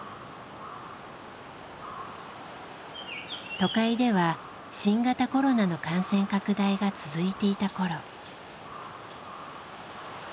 都会では新型コロナの感染拡大が続いていた頃。